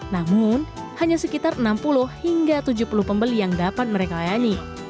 namun hanya sekitar enam puluh hingga tujuh puluh pembeli yang dapat mereka layani